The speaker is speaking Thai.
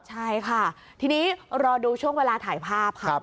ใช่ค่ะทีนี้รอดูช่วงเวลาถ่ายภาพค่ะ